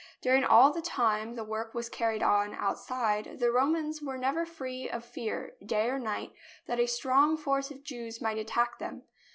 During all the time the work was car ried on outside, the Romans were never free of the fear, day or night, that a strong force of Jews might attack them.